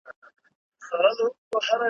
زه چي مي په تور وېښته زلمی در څخه تللی یم `